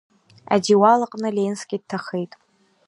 Адиуал аҟны Ленски дҭахеит.